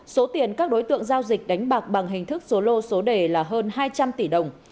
số tiền các đối tượng giao dịch đánh bạc bằng hình thức số lô số đề là hơn hai trăm linh tỷ đồng